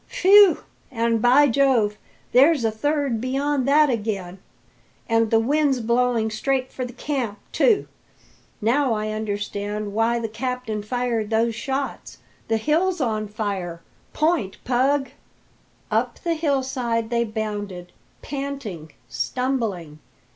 "Phew! And, by Jove, there's a third beyond that again! And the wind's blowing straight for the camp, too! Now I understand why the captain fired those shots! The hill's on fire! Point, Pug!" Up the hillside they bounded, panting, stumbling.